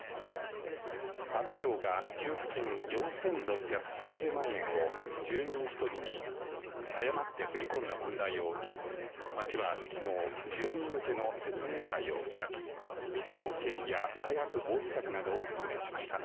阿武町が給付金４６３０万円を住民１人に誤って振り込んだ問題を受け町はきのう住民向けの説明会を開きミスの経緯や再発防止策などを説明しました。